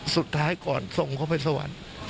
สุดท้ายก่อนส่งเข้าไปสวรรค์